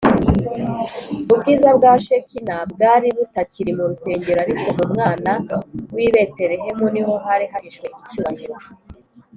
Ubwiza bwa Shekina bwari butakiri mu rusengero, ariko mu mwana w’i Beterehemu niho hari hahishwe icyubahiro